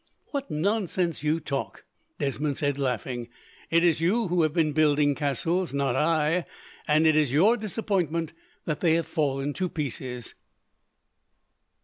"What nonsense you talk!" Desmond said, laughing. "It is you who have been building castles, not I, and it is your disappointment that they have fallen to pieces."